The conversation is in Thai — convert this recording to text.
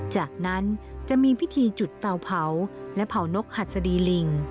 จากนั้นจะมีพิธีจุดเตาเผาและเผานกหัดสดีลิง